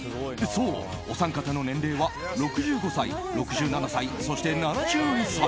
そう、お三方の年齢は６５歳、６７歳、そして７１歳。